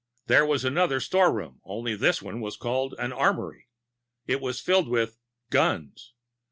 There was another storeroom, only this one was called an armory. It was filled with ... guns.